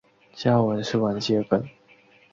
家纹是丸桔梗。